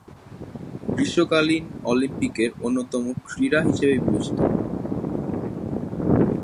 গ্রীষ্মকালীন অলিম্পিকের অন্যতম ক্রীড়া হিসেবে বিবেচিত।